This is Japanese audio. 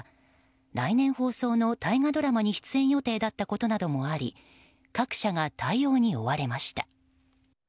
来年放送の大河ドラマに出演予定だったことなどもあり各社が対応に追われました。